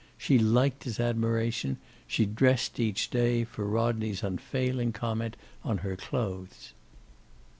She liked his admiration; she dressed, each day, for Rodney's unfailing comment on her clothes.